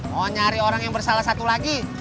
mau nyari orang yang bersalah satu lagi